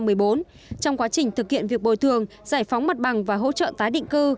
trong quá trình thực hiện việc bồi thường giải phóng mặt bằng và hỗ trợ tái định cư